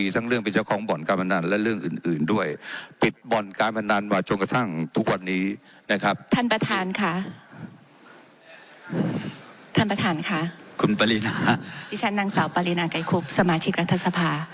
ท่านประธานค่ะคุณปรินาดิฉันนางสาวปรินาไกรคุบสมาชิกรัฐสภา